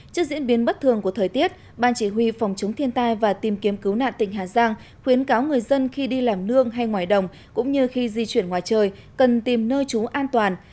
trước diễn biến bất thường của thời tiết ban chỉ huy phòng chống thiên tai và tìm kiếm cứu nạn tỉnh hà giang khuyến cáo người dân khi đi làm nương hay ngoài đồng cũng như khi di chuyển ngoài trời cần tìm nơi trú an toàn